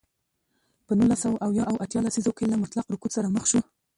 په نولس سوه اویا او اتیا لسیزو کې له مطلق رکود سره مخ شو.